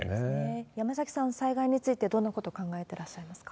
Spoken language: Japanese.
山崎さん、災害について、どんなことを考えていらっしゃいますか？